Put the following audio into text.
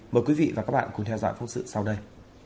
mời quý vị và các bạn cùng theo dõi phóng sự sau đây